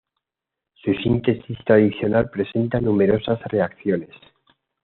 Su síntesis tradicional presenta numerosas reacciones.